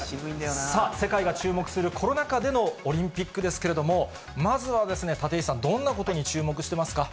世界が注目するコロナ禍でのオリンピックですけれども、まずは立石さん、どんなことに注目してますか。